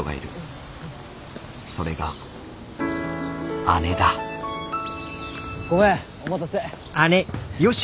それが姉だごめんお待たせ。